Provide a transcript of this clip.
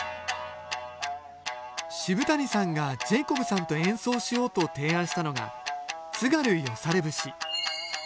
渋谷さんがジェイコブさんと演奏しようと提案したのが「津軽よされ節」。